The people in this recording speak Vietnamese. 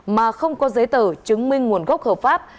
mà không có giấy tờ chứng minh nguồn gốc hợp pháp